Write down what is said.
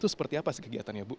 itu seperti apa sih kegiatannya bu